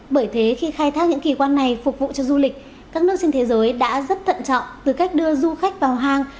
bởi thế khi khai thác những kỳ quan này phục vụ cho du lịch các nước trên thế giới đã rất thận trọng từ cách đưa du khách vào hang